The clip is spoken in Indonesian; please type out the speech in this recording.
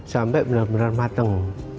sampai benar benar matang